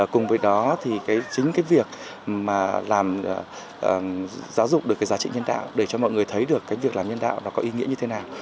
cùng với đó chính việc giáo dục được giá trị nhân đạo để cho mọi người thấy được việc làm nhân đạo có ý nghĩa như thế nào